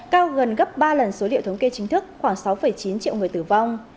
cao gần gấp ba lần số liệu thống kê chính thức khoảng sáu chín triệu người tử vong